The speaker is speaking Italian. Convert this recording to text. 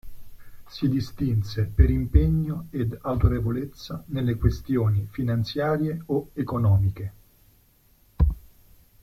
Si distinse per impegno ed autorevolezza nelle questioni finanziarie o economiche.